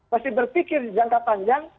mesti berpikir jangka panjang